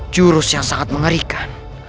jurus yang sangat mengerikan